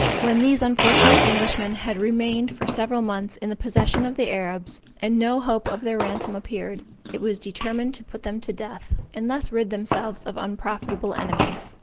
When these unfortunate Englishmen had remained for several months in the possession of the Arabs, and no hope of their ransom appeared, it was determined to put them to death, and thus rid themselves of unprofitable enemies.